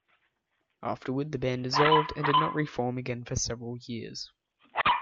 Afterward, the band dissolved and did not reform again for several years.